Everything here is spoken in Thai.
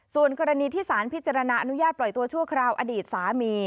ส่วนกรณีที่สารพิจารณาอนุญาตปล่อยตัวชั่วคราวอดีตสามี